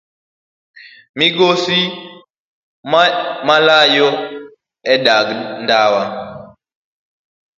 Migosi malayo e dag ndawa